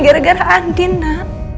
gara gara andin ma